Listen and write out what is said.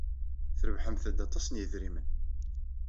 Trebḥemt-d aṭas n yidrimen.